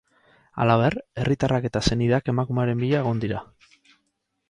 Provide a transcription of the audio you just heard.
Halaber, herritarrak eta senideak emakumearen bila egon dira.